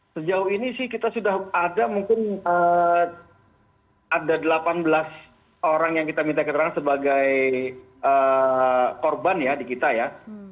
sejauh ini sih kita sudah ada mungkin ada delapan belas orang yang kita minta keterangan sebagai korban ya di kita ya